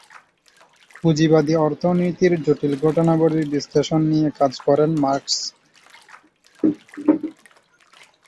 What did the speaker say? পুঁজিবাদী অর্থনীতির জটিল ঘটনাবলীর বিশ্লেষণ নিয়ে কাজ করেন মার্কস।